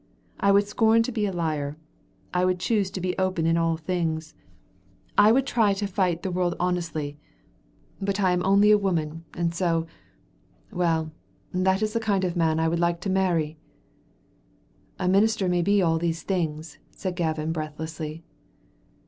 I would scorn to be a liar, I would choose to be open in all things, I would try to fight the world honestly. But I am only a woman, and so well, that is the kind of man I would like to marry." "A minister may be all these things," said Gavin breathlessly.